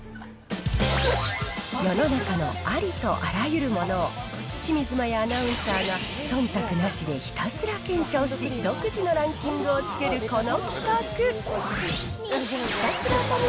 世の中のありとあらゆるものを清水麻椰アナウンサーがそんたくなしでひたすら検証し、独自のランキングをつけるこの企画。